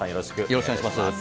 よろしくお願いします。